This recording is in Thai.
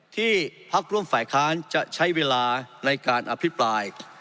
ที่พักร่วมฝ่ายค้านจะใช้เวลาในการอภิปราย